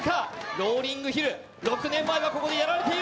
ローリングヒル、６年前はここでやられている。